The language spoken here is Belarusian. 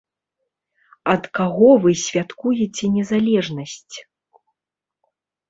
Ад каго вы святкуеце незалежнасць?